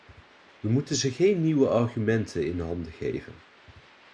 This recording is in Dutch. We moeten ze geen nieuwe argumenten in handen geven.